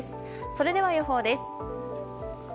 それでは、予報です。